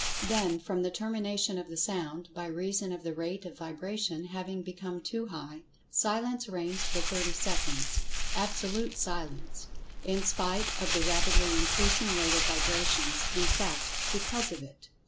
Then from the termination of the sound (by reason of the rate of vibration having become too high) silence reigns for thirty seconds—absolute silence, in spite of the rapidly increasing rate of vibrations, in fact, because of it.